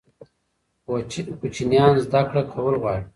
کوچنیان زده کړه کول غواړي.